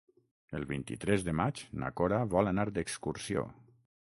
El vint-i-tres de maig na Cora vol anar d'excursió.